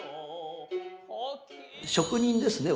職人ですね